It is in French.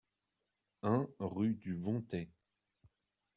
un rue du Vontay